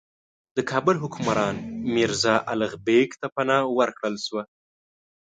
د کابل حکمران میرزا الغ بېګ ته پناه ورکړل شوه.